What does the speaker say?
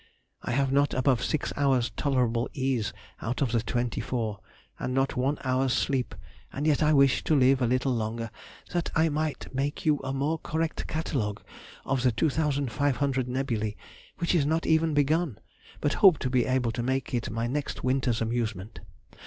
I have not above six hours' tolerable ease out of the twenty four, and not one hour's sleep, and yet I wish to live a little longer, that I might make you a more correct catalogue of the 2,500 nebulæ, which is not even begun, but hope to be able to make it my next winter's amusement.